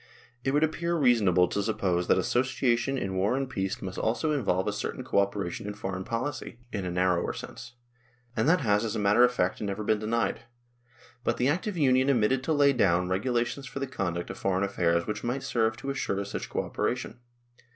It would appear reasonable to suppose that associ ation in War and in Peace must also involve a certain 1 B. Getz, loc. '/., p. 176. THE CONDUCT OF FOREIGN AFFAIRS 59 co operation in foreign policy, in a narrower sense ; and that has, as a matter of fact, never been denied. But the Act of Union omitted to lay down regu lations for the conduct of foreign affairs which might serve to assure such co operation.